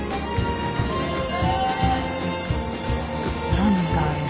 何だろう？